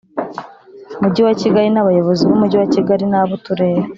Mujyi wa Kigali n abayobozi b Umujyi wa Kigali n ab Uturere